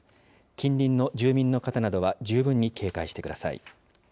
近隣の住民の方などは十分に警戒してください。